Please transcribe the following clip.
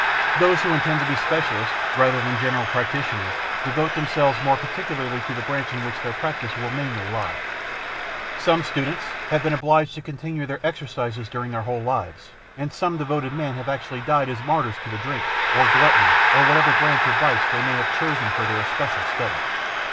Those who intend to be specialists, rather than general practitioners, devote themselves more particularly to the branch in which their practice will mainly lie. Some students have been obliged to continue their exercises during their whole lives, and some devoted men have actually died as martyrs to the drink, or gluttony, or whatever branch of vice they may have chosen for their especial study.